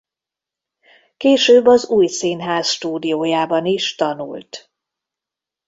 Később az Új Színház Stúdiójában is tanult.